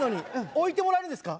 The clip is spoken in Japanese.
置いてもらえるんですか？